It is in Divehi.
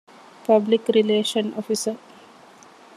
ޕަބްލިކްރިލޭޝަން އޮފިސަރ